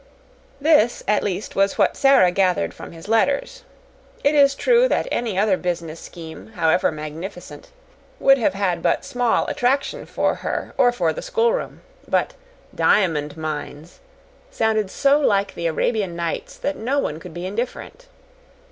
This, at least, was what Sara gathered from his letters. It is true that any other business scheme, however magnificent, would have had but small attraction for her or for the schoolroom; but "diamond mines" sounded so like the Arabian Nights that no one could be indifferent.